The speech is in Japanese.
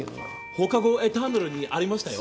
『放課後エターナル』にありましたよ。